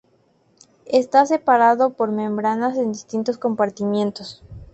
Está separado por membranas en distintos compartimientos.